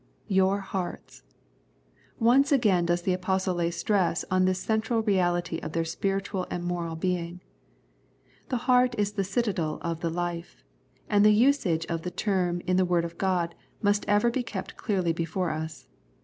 " Tour hearts.^^ Once again does the Apostle lay stress on this central reality of their spiritual and moral being. The heart is the citadel of the life, and the usage of the term in the Word of God must ever be kept clearly before us.